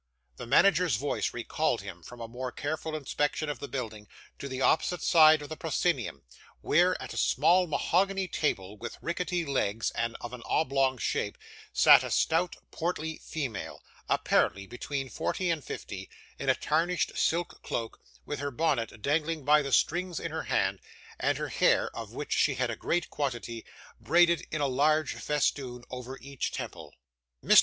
The manager's voice recalled him from a more careful inspection of the building, to the opposite side of the proscenium, where, at a small mahogany table with rickety legs and of an oblong shape, sat a stout, portly female, apparently between forty and fifty, in a tarnished silk cloak, with her bonnet dangling by the strings in her hand, and her hair (of which she had a great quantity) braided in a large festoon over each temple. 'Mr.